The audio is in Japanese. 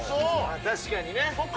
確かにね。